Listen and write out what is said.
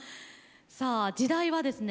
さあ時代はですね